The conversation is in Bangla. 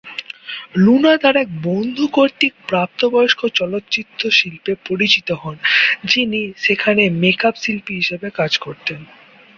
লুনা তার এক বন্ধু কর্তৃক প্রাপ্তবয়স্ক চলচ্চিত্র শিল্পে পরিচিত হন যিনি সেখানে মেক-আপ শিল্পী হিসেবে কাজ করতেন।